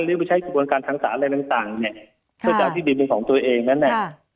หรือว่าใช้สิ่งบังการทางสารอะไรละงเนี้ยค่ะจ้ะที่ดินเป็นของตัวเองนั้นค่ะ